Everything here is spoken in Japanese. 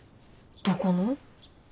どこの？